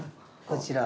こちら。